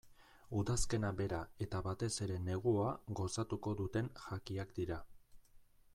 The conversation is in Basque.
Udazkena bera eta batez ere negua gozatuko duten jakiak dira.